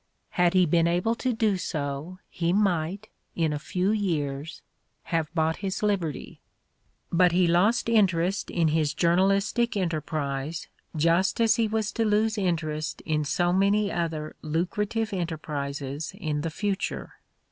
Had he been able to do so he might, in a few years, have bought his liberty 5 but he lost interest in his journalistic enter 112 The Ordeal of Mark Twain prise just as he was to lose interest in so many other lucrative enterprises in the future.